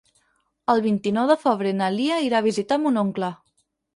El vint-i-nou de febrer na Lia irà a visitar mon oncle.